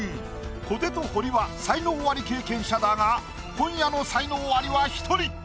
小手と堀は才能アリ経験者だが今夜の才能アリは１人！